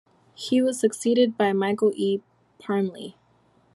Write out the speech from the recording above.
He was succeeded by Michael E. Parmly.